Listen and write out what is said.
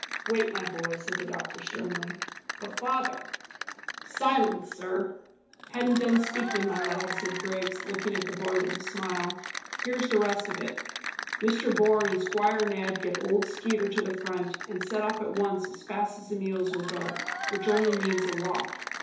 "Wait, my boy," said the doctor sternly. "But, father " "Silence, sir!" "Hadn't done speaking, my lad," said Griggs, looking at the boy with a smile. "Here's the rest of it. Mr Bourne and Squire Ned get old Skeeter to the front; and set off at once as fast as the mules will go, which only means a walk."